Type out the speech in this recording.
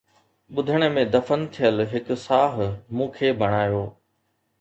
ٻڌڻ ۾ دفن ٿيل هڪ ساهه مون کي بنايو